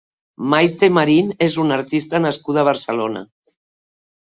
Maite Marín és una artista nascuda a Barcelona.